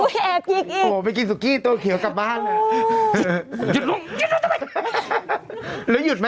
ต้องพูดเลยไม่รู้มาแต่อย่างบางคนอาจจะแม่หนุ่ม